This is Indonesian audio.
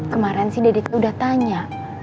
kemaren sih dede teh udah tanya